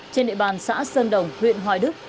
trên địa bàn xã sơn đồng huyện hoài đức